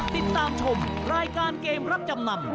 ติดตามชมรายการเกมรับจำนำ